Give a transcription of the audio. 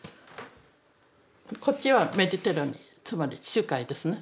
こっちはメディテラニつまり地中海ですね。